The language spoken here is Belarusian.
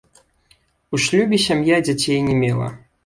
У шлюбе сям'я дзяцей не мела.